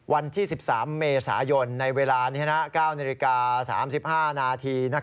วันที่๑๓เมษายนในเวลานี้๙นาฬิกา๓๕นาที